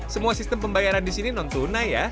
semua sistem pembayaran disini non tunai ya